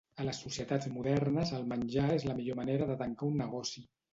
A les societats modernes el menjar és la millor manera de tancar un negoci.